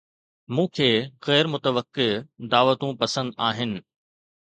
مون کي غير متوقع دعوتون پسند آهن